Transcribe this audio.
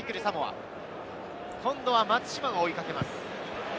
今度は松島が追いかけます。